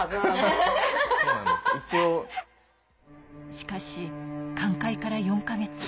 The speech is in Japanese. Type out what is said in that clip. しかし寛解から４か月。